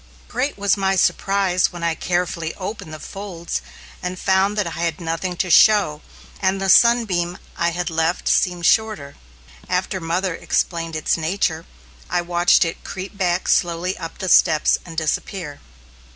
Great was my surprise when I carefully opened the folds and found that I had nothing to show, and the sunbeam I had left seemed shorter. After mother explained its nature, I watched it creep back slowly up the steps and disappear.